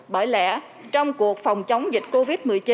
bởi lẽ trong cuộc phòng chống dịch covid một mươi chín